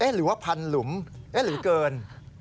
หรือว่าพันหลุมหรือเกิน